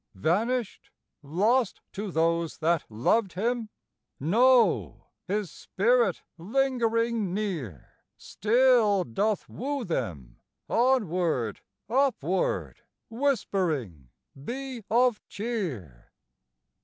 Vanished? Lost to those that loved him? No; his spirit lingering near Still doth woo them, onward, upward, Whispering, "Be of cheer."